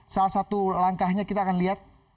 salah satu langkahnya kita akan lihat